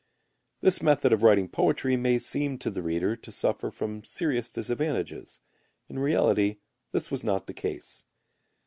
This method of writing poetry may seem to the reader to suffer from serious disadvantages. In reality this was not the case.